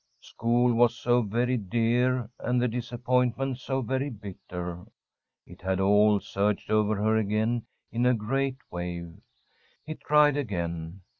School was so very dear, and the disappointment so very bitter. It had all surged over her again in a great wave. He tried again.